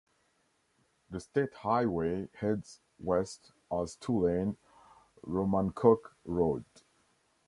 The state highway heads west as two-lane Romancoke Road.